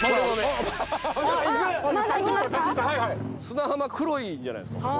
砂浜黒いじゃないですか。